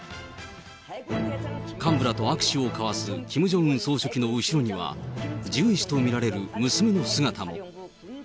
幹部らと握手を交わすキム・ジョンウン総書記の後ろには、ジュエ氏と見られる娘の姿も。